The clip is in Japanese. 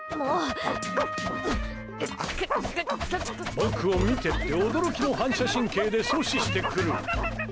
僕を見てって驚きの反射神経で阻止してくる。